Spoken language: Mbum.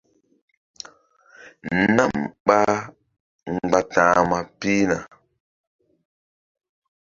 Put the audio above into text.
Nam ɓa mgbáta̧hma pihna.